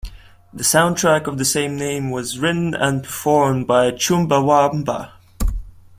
The soundtrack of the same name was written and performed by Chumbawamba.